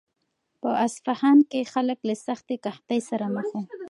په اصفهان کې خلک له سختې قحطۍ سره مخ وو.